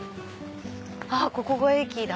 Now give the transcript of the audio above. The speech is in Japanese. あっここが駅だ